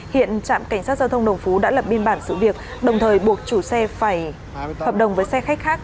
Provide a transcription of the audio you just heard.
hiện trạm cảnh sát giao thông đồng phú đã lập biên bản sự việc đồng thời buộc chủ xe phải hợp đồng với xe khách khác